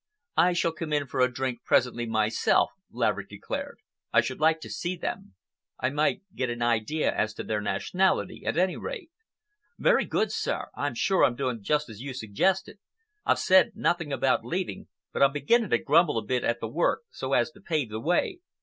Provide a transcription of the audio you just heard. "I shall come in for a drink presently myself," Laverick declared. "I should like to see them. I might get an idea as to their nationality, at any rate." "Very good, sir. I'm sure I'm doing just as you suggested. I've said nothing about leaving, but I'm beginning to grumble a bit at the work, so as to pave the way.